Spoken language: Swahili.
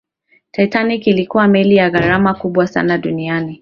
titanic ilikuwa meli ya gharama kubwa sana duniani